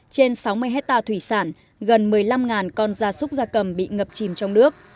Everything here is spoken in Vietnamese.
trên sáu mươi hectare thủy sản gần một mươi năm con da súc da cầm bị ngập chìm trong nước